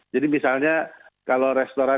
jadi misalnya kalau restoran